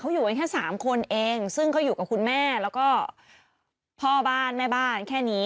อยู่กันแค่สามคนเองซึ่งเขาอยู่กับคุณแม่แล้วก็พ่อบ้านแม่บ้านแค่นี้